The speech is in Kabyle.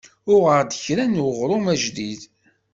Uɣeɣ-d kra n weɣrum ajdid.